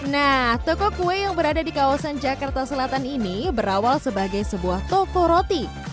nah toko kue yang berada di kawasan jakarta selatan ini berawal sebagai sebuah toko roti